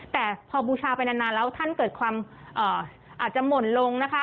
แต่พอบูชาไปนานแล้วท่านเกิดความอาจจะหม่นลงนะคะ